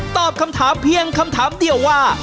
ตอบคำถามเพียงคำถามเดียวว่า